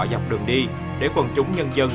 dọc đường đi để quần chúng nhân dân